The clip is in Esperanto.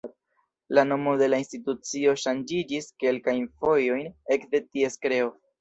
La nomo de la institucio ŝanĝiĝis kelkajn fojojn ekde ties kreo.